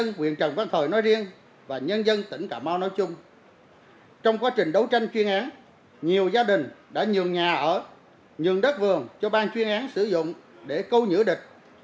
nhân dân quyền trần văn thời nói riêng và nhân dân tỉnh cà mau nói chung trong quá trình đấu tranh chuyên án nhiều gia đình đã nhường nhà ở nhường đất vườn cho bang chuyên án sử dụng để câu nhữ địch